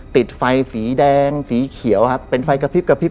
ติดไฟสีแดงสีเขียวครับเป็นไฟกระพริบ